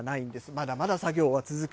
まだまだ作業は続く。